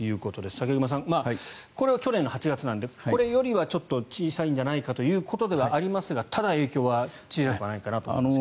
武隈さん、これは去年８月なのでこれよりは小さいんじゃないかということですがただ、影響は小さくはないかなと思うんですが。